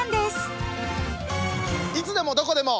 「いつでもどこでも」。